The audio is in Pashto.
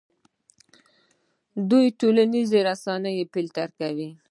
دوی ټولنیزې رسنۍ فلټر کوي.